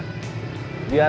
sendiri aja bos